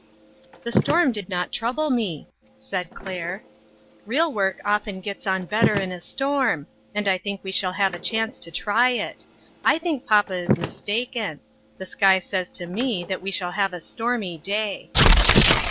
" The storm did not trouble me," said Claire. " Real work often gets on better in a storm ; and I think we shall have a chance to try it. I think papa is mistaken ; the sky says to me that we shall have a stormy day."